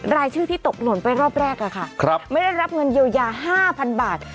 รายชื่อที่ตกหล่นไปรอบแรกไม่ได้รับเงินเยียวยา๕๐๐๐บาท